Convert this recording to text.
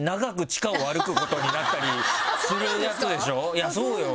いやそうよ。